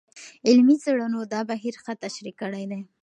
علمي څېړنو دا بهیر ښه تشریح کړی دی.